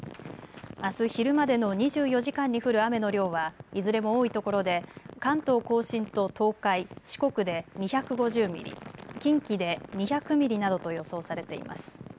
あす昼までの２４時間に降る雨の量はいずれも多いところで関東甲信と東海、四国で２５０ミリ、近畿で２００ミリなどと予想されています。